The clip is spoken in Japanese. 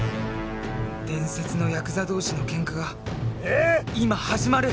伝説のヤクザ同士のケンカが今始まる！